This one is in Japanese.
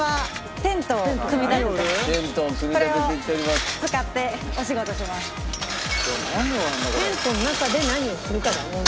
テントの中で何をするかが問題。